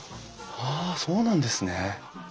ああそうなんですね。